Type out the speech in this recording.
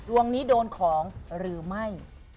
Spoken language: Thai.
ดวงนี้โดนของหรือไม่